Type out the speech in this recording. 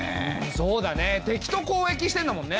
そうだね敵と交易してんだもんね。